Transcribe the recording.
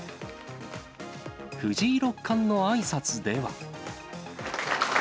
藤井六冠のあいさつでは。